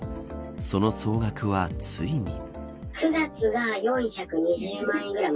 その総額はついに。